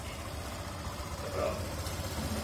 The local priest had been shot by Franco's forces.